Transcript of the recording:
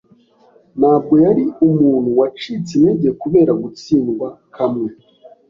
Ntabwo yari umuntu wacitse intege kubera gutsindwa kamwe.